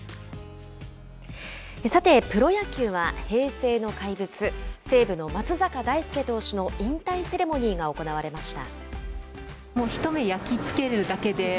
プロ野球は平成の怪物西武の松坂大輔投手の引退セレモニーが行われました。